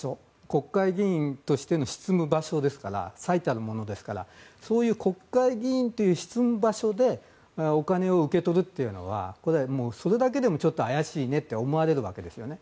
国会議員としての最たるものですからそういう国会議員の執務場所でお金を受け取るというのはそれだけでも怪しいねって思われるわけですね。